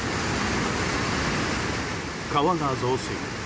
川が増水。